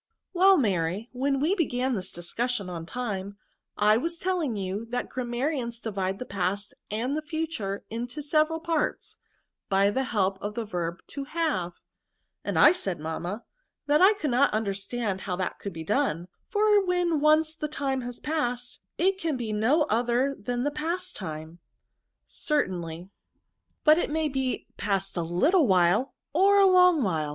" Well, Mary, when we began this discus sion on time, I was telling you that gram marians divide the past and the future into se veral parts, by the help of the verb to haveT And I s^id, mamma, that I could not understand how that could be done ; for when once the time has passed, it can be no other than past time." "Certainly, but it may be past a little while or a long while.